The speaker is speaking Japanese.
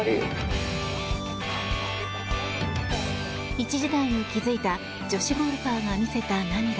一時代を築いた女子ゴルファーが見せた涙。